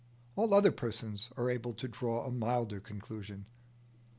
All other persons are able to draw a milder conclusion.